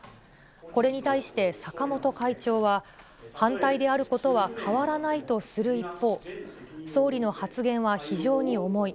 これに対して坂本会長は、反対であることは変わらないとする一方、総理の発言は非常に重い。